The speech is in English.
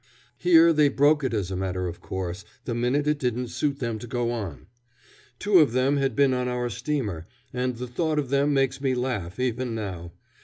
Here they broke it as a matter of course, the minute it didn't suit them to go on. Two of them had been on our steamer, and the thought of them makes me laugh even now.